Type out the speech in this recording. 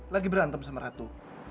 lagi berantem sama ratu